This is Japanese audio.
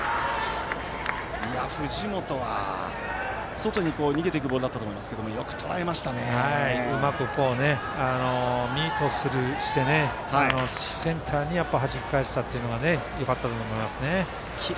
藤本は外に逃げていくボールだと思いますけどうまくミートしてセンターに弾き返せたというのはよかったと思いますね。